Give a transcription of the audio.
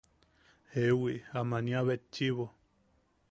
Jewi am aniabetchiʼibo.